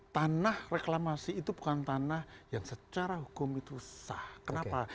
tanah reklamasi itu bukan tanah yang secara hukum itu sah kenapa